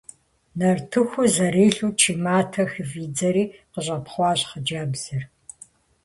Нартыхур зэрилъу, чы матэр хыфӀидзэри къыщӀэпхъуащ хъыджэбзыр.